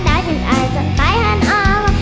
และยังอ่ายส่วนไปหันออก